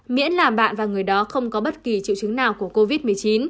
miễn là bạn và người đó không có bất kỳ triệu chứng nào của covid một mươi chín